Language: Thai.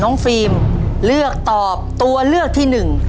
น้องฟรีมเลือกตอบตัวเลือกที่หนึ่ง